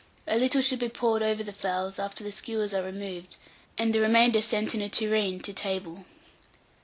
A little should be poured over the fowls, after the skewers are removed, and the remainder sent in a tureen to table.